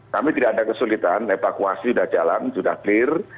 kami tidak ada kesulitan evakuasi sudah jalan sudah clear